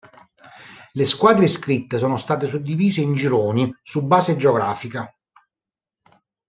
Le squadre iscritte sono state suddivise in gironi su base geografica.